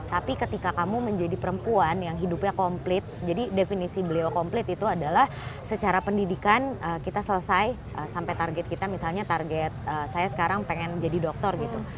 tapi ketika kamu menjadi perempuan yang hidupnya komplit jadi definisi beliau komplit itu adalah secara pendidikan kita selesai sampai target kita misalnya target saya sekarang pengen jadi doktor gitu